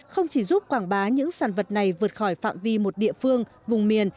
không chỉ giúp quảng bá những sản vật này vượt khỏi phạm vi một địa phương vùng miền